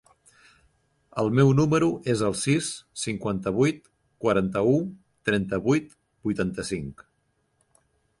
El meu número es el sis, cinquanta-vuit, quaranta-u, trenta-vuit, vuitanta-cinc.